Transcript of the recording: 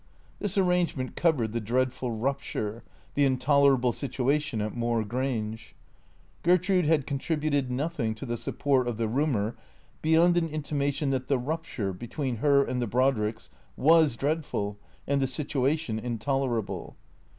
This arrangement covered the dreadful rupture, the intolerable situation at Moor Grange. Gertrude had contributed nothing to the support of the rumour beyond an intimation that the rup ture (between her and the Brodricks) was dreadful and the situ ation intolerable.